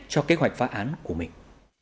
cho kế hoạch phá án của mình